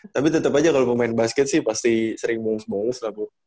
tapi tetep aja kalo pemain basket sih pasti sering bolos bolos lah bu